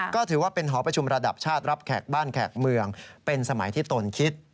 ก็ถือว่าเป็นหอประชุมระดับชาติรับแขกบ้านแขกเมืองเป็นสมัยที่ตนคิด